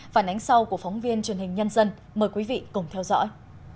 phản ánh sau của phóng viên truyền hình nhân dân mời quý vị cùng theo dõi